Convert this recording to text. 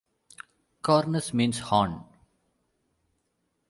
'Cornus' means 'horn'.